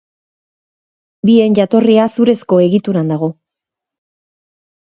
Bien jatorria zurezko egituran dago.